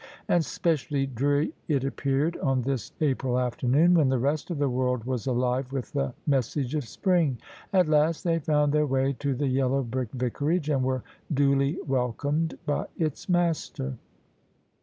And specially dreary it appeared on this April afternoon when the rest of the world was alive with the message of spring. At last they found their way to the yellow brick Vicarage, and were duly welcomed by its master.